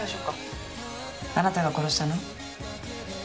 あなたが殺したの？